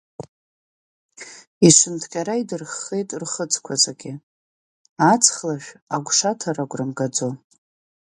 Ишынҭҟьара идырххеит рқәыцқәа зегь, аҵх лашә агәшаҭара агәра мгаӡо.